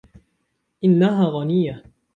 إنها غنية.